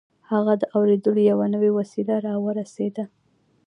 هغه ته د اورېدلو يوه نوې وسيله را ورسېده.